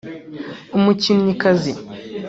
umukinnyikazi